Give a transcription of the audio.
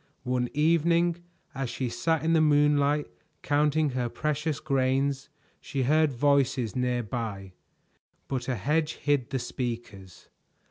One evening, as she sat in the moonlight counting her precious grains, she heard voices near by, but a hedge hid the speakers.